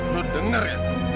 lo denger ya